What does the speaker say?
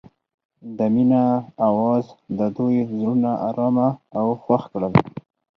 د مینه اواز د دوی زړونه ارامه او خوښ کړل.